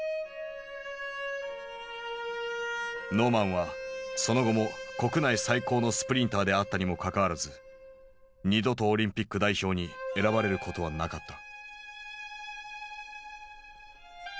ノーマンはその後も国内最高のスプリンターであったにもかかわらず二度とオリンピック代表に選ばれることはなかった。